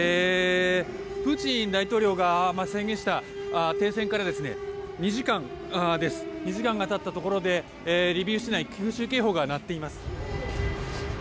プーチン大統領が宣言した停戦から２時間が経ったところでリビウ市内空襲警報が鳴っています。